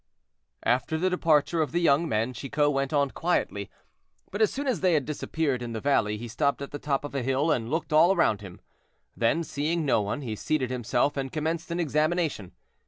After the departure of the young men, Chicot went on quietly; but as soon as they had disappeared in the valley, he stopped at the top of a hill and looked all round him; then, seeing no one, he seated himself, and commenced an examination.